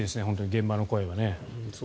現場の声は。